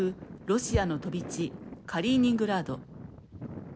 ロシアの飛び地カリーニングラード。